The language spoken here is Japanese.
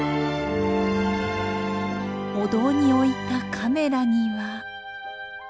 お堂に置いたカメラには。